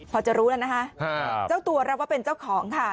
พอจะรู้แล้วนะคะเจ้าตัวรับว่าเป็นเจ้าของค่ะ